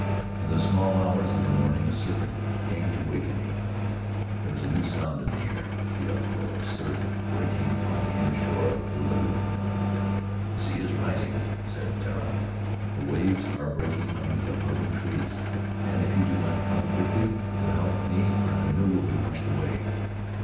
In the small hours of the morning a servant came to waken me. There was a new sound in the air — the uproar of surf breaking on the inner shore of the lagoon. "The sea is rising," said Tara; "the waves are breaking under the purau trees, and if you do not come quickly to help me our canoe will be washed away."